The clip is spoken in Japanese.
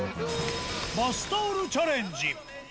バスタオルチャレンジ。